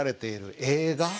映画？